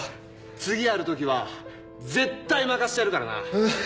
次やる時は絶対負かしてやるからな！